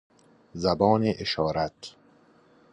زبان اشارت